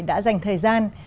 đã dành thời gian